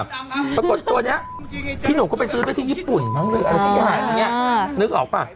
ปรากฏตัวนี้พี่หนุก็ไปซื้อที่ญี่ปุ่นนึกออกป่ะ